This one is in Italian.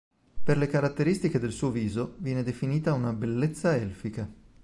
Per le caratteristiche del suo viso viene definita una "bellezza elfica".